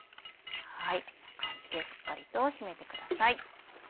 こんな感じでしっかりと締めてください。